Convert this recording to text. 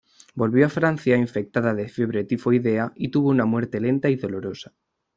Volvió a Francia infectada de fiebre tifoidea y tuvo una muerte lenta y dolorosa.